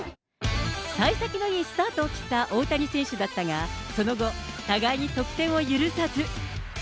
幸先のいいスタートを切った大谷選手だったが、その後、互いに得点を許さず。